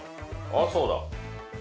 あそうだ。